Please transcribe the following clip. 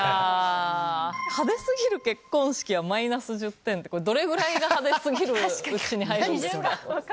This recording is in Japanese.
派手すぎる結婚式はマイナス１０点ってどれぐらいが派手すぎるうちに入るんですか？